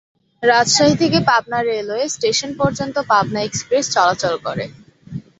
রাজশাহী থেকে Pabna railway station পর্যন্ত Pabna express চলাচল করে।